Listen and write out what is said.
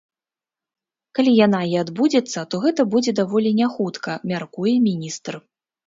Калі яна і адбудзецца, то гэта будзе даволі не хутка, мяркуе міністр.